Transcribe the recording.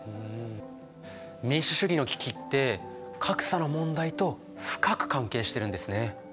民主主義の危機って格差の問題と深く関係してるんですね。